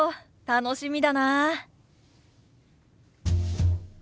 楽しみだなあ。